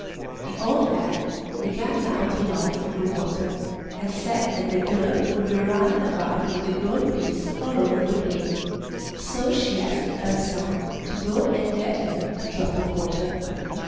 The old hag began now to long for the water, and said that the girl would be running about with the gold piece all over the plain, so she asked her son to go and get her a drop of water.